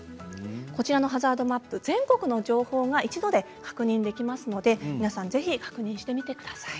こちらのハザードマップ全国の情報が一度で確認できますので皆さんぜひ確認してみてください。